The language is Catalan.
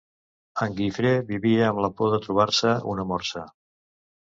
En Gifré vivia amb la por de trobar-se una morsa.